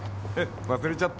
忘れちゃった？